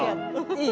いい？